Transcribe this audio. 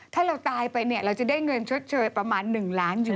ถ้าเราตายไปเนี่ยเราจะได้เงินชดเชยประมาณ๑ล้านอยู่